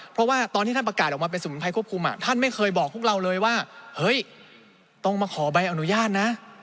เพราะว่าตอนที่ท่านประกาศออกมาเป็นสมุนไพรควบคุมท่านไม่เคยบอกพวกเราเลยว่าเฮ้ยต้องมาขอใบอนุญาตนะ